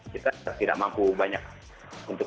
kita tidak mampu banyak untuk